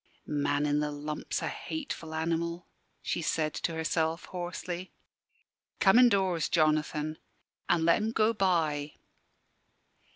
"Man in the lump's a hateful animal," she said to herself, hoarsely. "Come indoors, Jonathan, an' let 'em go by."